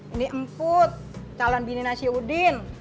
ini emput calon bini nasi udin